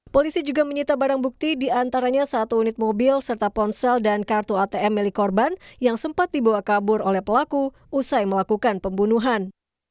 polisi juga menyita barang bukti diantaranya satu unit mobil serta ponsel dan kartu atm milik korban yang sempat dibawa kabur oleh pelaku usai melakukan pembunuhan